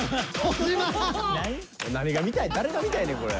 何が見たい誰が見たいねんこれ。